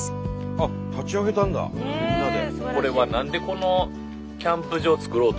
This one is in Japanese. あっ立ち上げたんだみんなで。